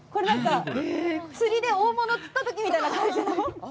釣りで大物を釣ったときみたいな感じの。